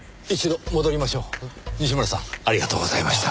西村さんありがとうございました。